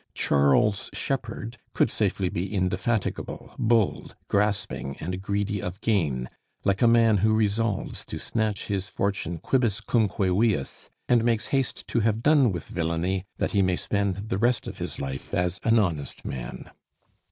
Charles Shepherd could safely be indefatigable, bold, grasping, and greedy of gain, like a man who resolves to snatch his fortune quibus cumque viis, and makes haste to have done with villany, that he may spend the rest of his life as an honest man.